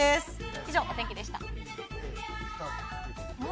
以上、お天気でした。